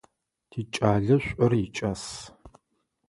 Тикӏалэ шӏур икӏас.